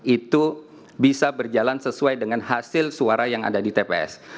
itu bisa berjalan sesuai dengan hasil suara yang ada di tps